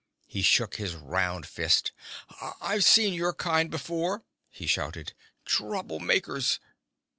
He shook a round fist. "I've seen your kind before," he shouted. "Troublemakers."